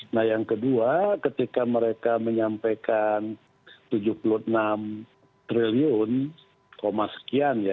nah yang kedua ketika mereka menyampaikan tujuh puluh enam triliun sekian ya